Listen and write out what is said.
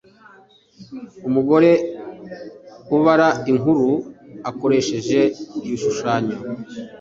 umugore ubara inkuru akoresheje ibishushanyo -